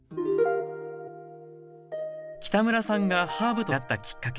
北村さんがハーブと出会ったきっかけ。